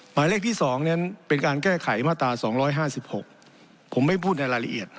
หมายเลขที่สองเนี้ยเป็นการแก้ไขมาตราสองร้อยห้าสิบหกผมไม่พูดในรายละเอียด